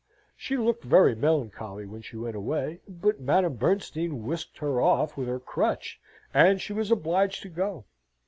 She looked very melancholy when she went away; but Madame Bernstein whisked her off with her crutch, and she was obliged to go.